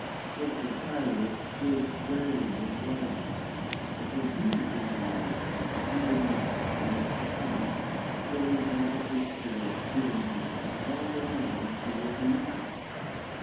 Wherefore Chilo did very well and wisely ; for when he was invited yesterday, he would not promise to come till he had a particular given him of all their names who were to meet him.